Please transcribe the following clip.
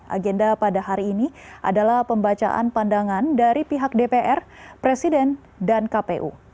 agenda pada hari ini adalah pembacaan pandangan dari pihak dpr presiden dan kpu